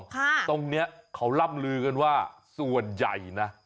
ตรงนี้เขาร่ำลือกันว่าส่วนใหญ่นะ